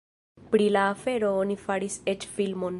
Pri la afero oni faris eĉ filmon.